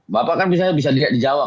bapak kan bisa lihat di jawa